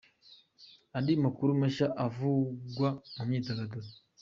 Andi makuru mashya avugwa mu myidagaduro.